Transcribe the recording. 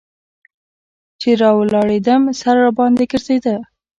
چې راولاړېدم سر راباندې ګرځېده.